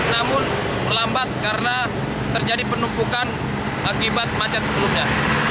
namun terlambat karena terjadi penumpukan akibat macet sebelumnya